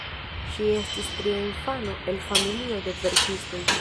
Ŝi estis tria infano el familio de verkistoj.